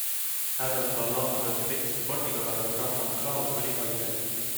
Adam Lallana töötab endiselt vormi kallal ja Ragnar Klavan oli haige.